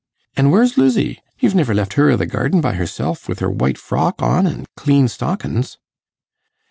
An' where's Lizzie? You've niver left her i' the garden by herself, with her white frock on an' clean stockins?